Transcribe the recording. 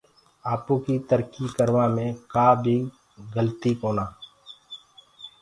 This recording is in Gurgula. آپو ڪيٚ ترڪيٚ ڪروآ مي ڪآبي گلت ڪونآ هي۔